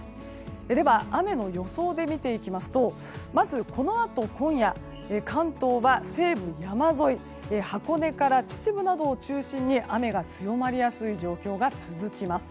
では雨の予想で見ていきますとまず、このあと今夜関東は西部山沿い箱根から秩父などを中心に雨が強まりやすい状況が続きます。